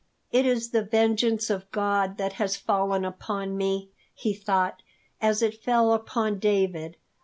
"It is the vengeance of God that has fallen upon me," he thought, "as it fell upon David.